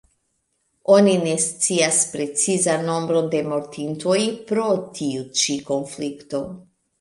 Oni ne scias precizan nombron de mortintoj pro tiu ĉi konflikto.